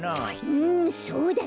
うんそうだね。